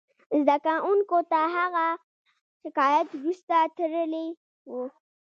زده کوونکو تر هغه شکایت وروسته تړلې وه